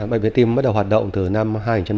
bệnh viện tim bắt đầu hoạt động từ năm hai nghìn bốn